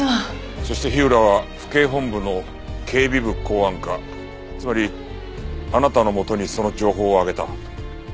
そして火浦は府警本部の警備部公安課つまりあなたのもとにその情報を上げた。